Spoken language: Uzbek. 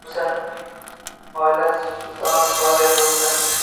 Oylar sultoni muborak bo‘lsin!